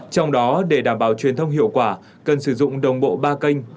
trong đó để đảm bảo truyền thông hiệu quả cần sử dụng đồng bộ ba kênh